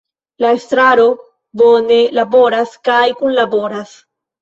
La Estraro bone laboras kaj kunlaboras.